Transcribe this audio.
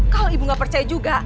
kalau ibu nggak percaya juga